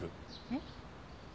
えっ？